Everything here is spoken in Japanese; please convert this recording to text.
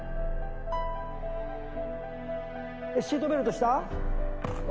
シートベルトした？ＯＫ？